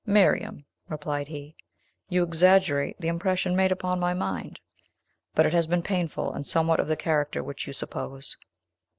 "Miriam," replied he, "you exaggerate the impression made upon my mind; but it has been painful, and somewhat of the character which you suppose."